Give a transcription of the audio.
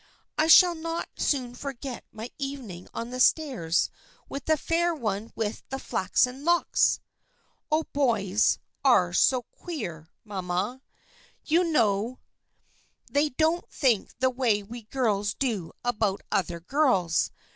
I shall not soon forget my evening on the stairs with the Fair One with the Flaxen Locks !"" Oh, boys are so queer, mamma. You know they don't think the way we girls do about other girls.